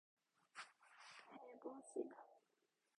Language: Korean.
해봅시다.